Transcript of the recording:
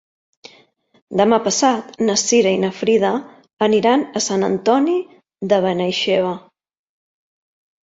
Demà passat na Cira i na Frida aniran a Sant Antoni de Benaixeve.